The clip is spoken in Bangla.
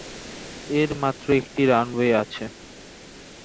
এর মাত্র একটি রানওয়ে আছে।